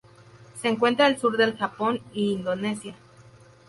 Se encuentra al sur del Japón y Indonesia.